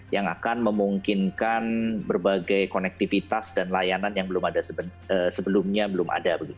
yang akan memungkinkan berbagai konektivitas dan layanan yang sebelumnya belum ada